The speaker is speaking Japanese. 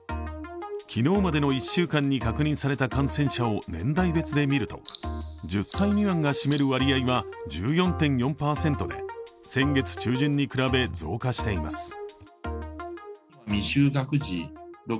昨日までの１週間に確認された感染者を年代別で見ると１０歳未満が占める割合は１４．４％で先月中旬に比べ、増加しています。